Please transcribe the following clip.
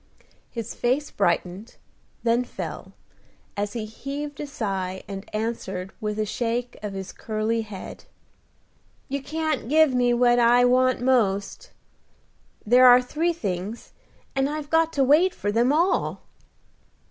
His face brightened, then fell, as he heaved a sigh, and answered, with a shake of his curly head, "You can't give me what I want most. There are three things, and I've got to wait for them all."